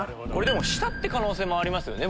下って可能性もありますよね